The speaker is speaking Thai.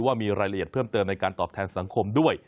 ว่ามีรายละเอียดเพิ่มเติมในการตอบแทนสังคมด้วย